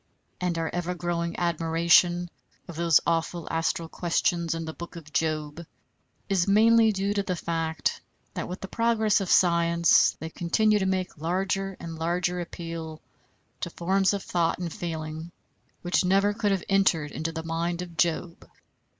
And our ever growing admiration of those awful astral questions in the Book of Job, is mainly due to the fact that, with the progress of science, they continue to make larger and larger appeal to forms of thought and feeling which never could have entered into the mind of Job.